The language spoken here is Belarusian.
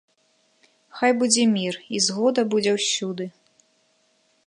Хай будзе мір, і згода будзе ўсюды.